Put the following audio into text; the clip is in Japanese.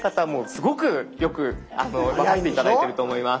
すごくよく分かって頂いてると思います。